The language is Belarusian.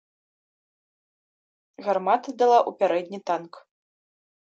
Гармата дала ў пярэдні танк.